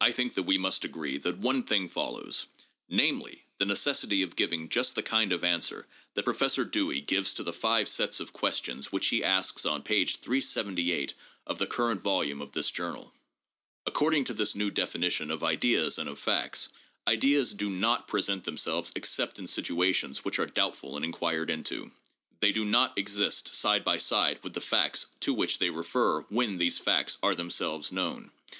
I think that we must agree that one thing follows; namely, the necessity of giving just the kind of answer that Pro *Op. cit., pp. 53 54. 4 This Joubnai, Vol. V., p. 376. 'Ibid., p. 377. PSYCHOLOGY AND SCIENTIFIC METHODS 593 fessor Dewey gives to the five sets of questions which he asks on page 378 of the current volume of this Journal. According to this new definition of ideas and of facts, ideas do not present themselves except in situations which are doubtful and inquired into. They do not exist side by side with the facts to which they refer when these facts are themselves known.